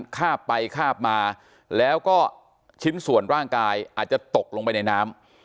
คาบไปคาบมาแล้วก็ชิ้นส่วนร่างกายอาจจะตกลงไปในน้ำ